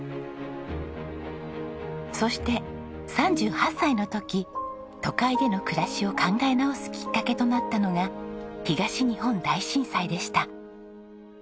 そして３８歳の時都会での暮らしを考え直すきっかけとなったのが東日本大震災でした。